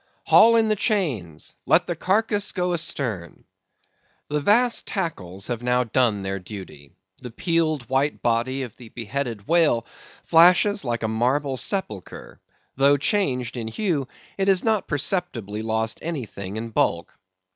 "Haul in the chains! Let the carcase go astern!" The vast tackles have now done their duty. The peeled white body of the beheaded whale flashes like a marble sepulchre; though changed in hue, it has not perceptibly lost anything in bulk.